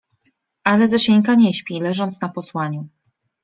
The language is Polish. Ale Zosieńka nie śpi, leżąc na posłaniu